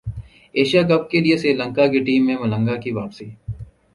Asia cup کیلئے سری لنکا کی team میں ملنگا کی واپسی